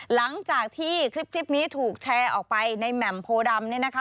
หลังจากที่คลิปนี้ถูกแชร์ออกไปในแหม่มโพดำเนี่ยนะคะ